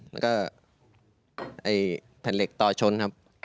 แล้วก็แผ่นเหล็กต่อชนครับ